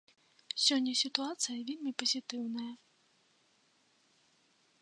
Сёння сітуацыя вельмі пазітыўная.